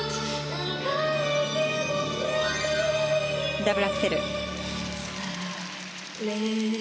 ダブルアクセル。